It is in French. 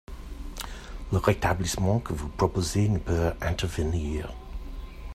Le rétablissement que vous proposez ne peut intervenir.